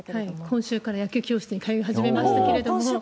今週から野球教室に通い始めましたけれども。